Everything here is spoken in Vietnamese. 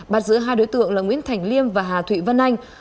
bắt giữ hai đối tượng là nguyễn thành liêm và hà thụy vân anh